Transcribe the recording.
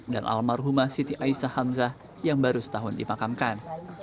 dan almarhumah siti aisyah hamzah yang baru setahun dimakamkan